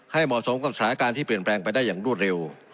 เหมาะสมกับสถานการณ์ที่เปลี่ยนแปลงไปได้อย่างรวดเร็ว